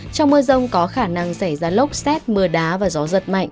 trong mưa rông có khả năng xảy ra lốc xét mưa đá và gió gió